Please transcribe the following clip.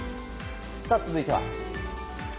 続いては。